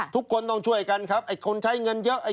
ทุกคนต้องช่วยกันครับไอ้คนใช้เงินเยอะไอ้